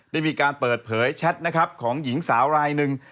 ได้มีการเปิดเผยแชทนะครับของหญิงสาวรายหนึ่ง